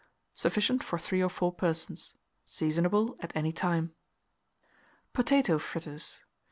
Sufficient for 3 or 4 persons. Seasonable at any time. POTATO FRITTERS.